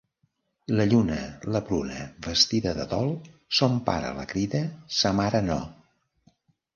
La lluna, la pruna, vestida de dol, son pare la crida, sa mare no...